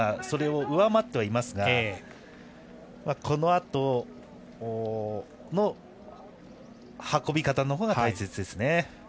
それを上回ってはいますがこのあとの運び方のほうが大切ですね。